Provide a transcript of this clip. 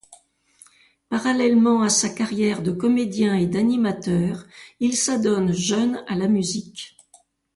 Parallèlement à sa carrière de comédien et d'animateur, il s’adonne jeune à la musique.